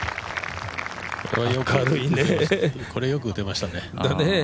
これはよく打てましたね。